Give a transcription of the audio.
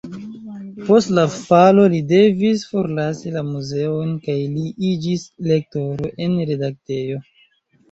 Post la falo li devis forlasi la muzeon kaj li iĝis lektoro en redaktejo.